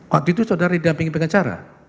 waktu itu saudara didampingi pengacara